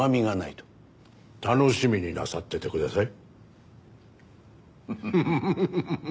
楽しみになさっててください。